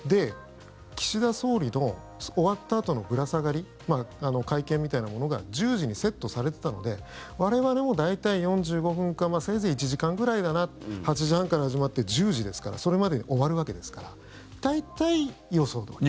岸田総理の終わったあとのぶら下がり会見みたいなものが１０時にセットされていたので我々も大体４５分かせいぜい１時間ぐらいだな８時半から始まって１０時ですからそれまでに終わるわけですから大体、予想どおり。